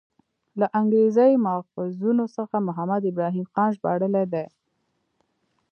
له انګریزي ماخذونو څخه محمد ابراهیم خان ژباړلی دی.